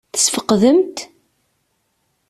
Tesfeqdem-t?